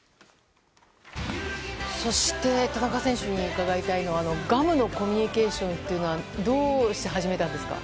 そして、田中選手に伺いたいのは、ガムのコミュニケーションというのは、どうして始めたんですか？